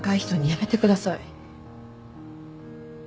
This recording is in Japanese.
やめてください。